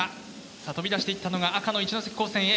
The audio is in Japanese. さあ飛び出していったのが赤の一関高専Ａ。